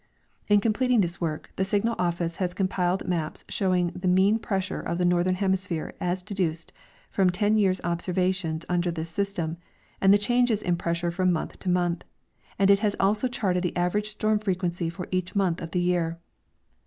In completing this work, the Signal office has comjDiled maps show ing the mean pressure of the northern hemisphere as deduced from ten years observations under this S}^ stem', and the changes in pressure from month to month: and it has also' charted the average storm frequenc}^ for each month of the year.